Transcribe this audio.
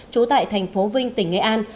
chú tại thành phố vinh tỉnh nghệ an